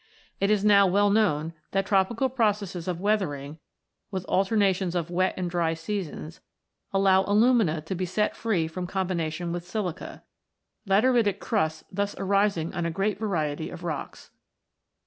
It is now well known that tropical processes of weathering, with alternations of wet and dry seasons, allow alumina to be set free from combination with silica, " lateritic " crusts thus arising on a great variety of rocks.